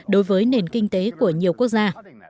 đối với nền kinh tế của nhiều quốc gia